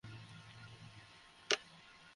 আর কোহিনূরের কি ইচ্ছা?